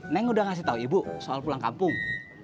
neng udah ngasih tahu ibu soal pulang kampung